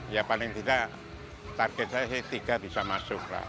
ya paling tidak target saya sih tiga bisa masuk lah